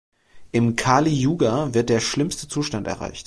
Im "Kali-Yuga" wird der schlimmste Zustand erreicht.